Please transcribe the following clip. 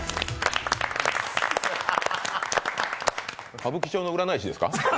歌舞伎町の占い師ですか？